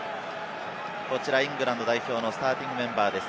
こちらイングランド代表のスターティングメンバーです。